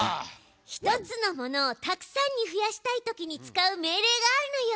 １つのものをたくさんに増やしたいときに使う命令があるのよ。